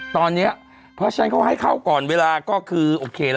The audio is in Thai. ตอนนี้เพราะฉะนั้นเขาให้เข้าก่อนเวลาก็คือโอเคละ